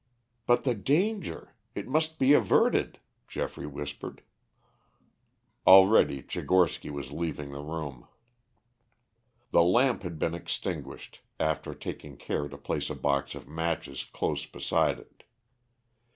"But the danger! It must be averted," Geoffrey whispered. Already Tchigorsky was leaving the room. The lamp had been extinguished, after taking care to place a box of matches close beside it.